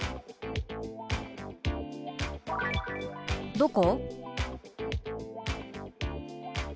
「どこ？」。